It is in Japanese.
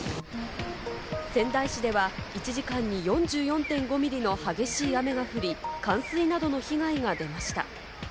仙台市では１時間に４４．５ミリの激しい雨が降り、冠水などの被害が出ました。